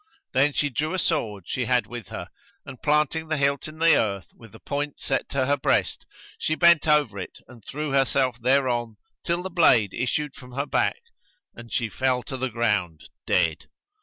Then she drew a sword she had with her, and planting the hilt in the earth, with the point set to her breast, she bent over it and threw herself thereon till the blade issued from her back and she fell to the ground, dead.